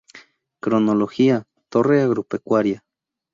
Cronología: Torre agropecuaria.